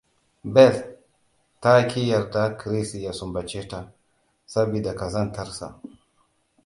Beth ta ƙi yarda Chris ya sumbace ta, sabida ƙazantarsa.